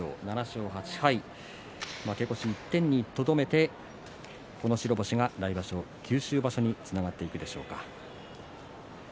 ７勝８敗、負け越し１点にとどめてこの白星は来場所九州場所につながっていくでしょうか。